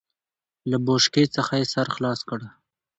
له بوشکې څخه يې سر خلاص کړ.